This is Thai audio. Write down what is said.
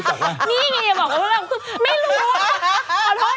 อย่าบอกตัวเนี่ยไม่รู้